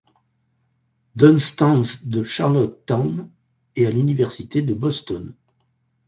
Dunstan's de Charlottetown, et à l'Université de Boston.